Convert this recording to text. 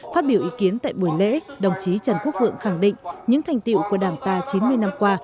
phát biểu ý kiến tại buổi lễ đồng chí trần quốc vượng khẳng định những thành tiệu của đảng ta chín mươi năm qua